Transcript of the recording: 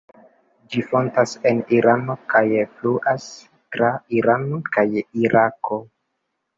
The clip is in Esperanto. Ĝi fontas en Irano kaj fluas tra Irano kaj Irako.